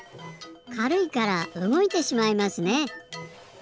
かるいからうごいてしまいますね。